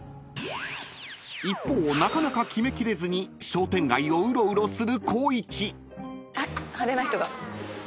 ［一方なかなか決め切れずに商店街をうろうろする光一］